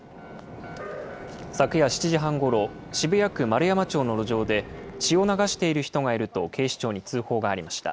昨夜７時半ごろ、渋谷区円山町の路上で、血を流している人がいると、警視庁に通報がありました。